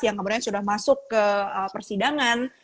yang kemudian sudah masuk ke persidangan